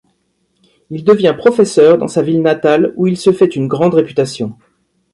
Il devient professeur dans sa ville natale, où il se fait une grande réputation.